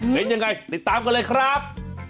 เป็นยังไงติดตามกันเลยครับ